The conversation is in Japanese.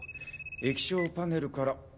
液晶パネルから。